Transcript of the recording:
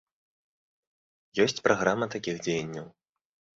Ёсць праграма такіх дзеянняў.